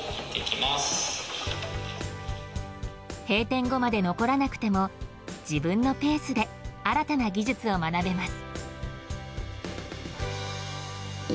閉店後まで残らなくても自分のペースで新たな技術を学べます。